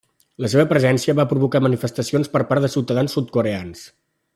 La seva presència va provocar manifestacions per part de ciutadans sud-coreans.